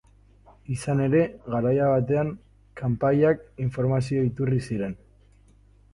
Izan ere, garai batean, kanpaiak informazio iturri ziren.